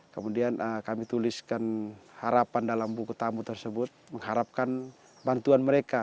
kemudian kami tuliskan harapan dalam buku tamu tersebut mengharapkan bantuan mereka